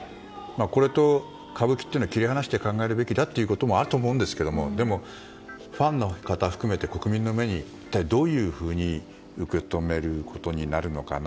これと歌舞伎というのは切り離して考えるべきだとあると思うんですけどもでも、ファンの方含めて国民の目に一体どういうふうに受け止めることになるのかな。